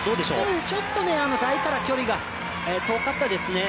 ちょっと台から距離が遠かったですね。